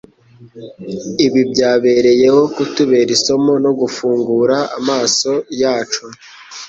Ibi byabereyeho kutubera isomo no gufungura amaso yacu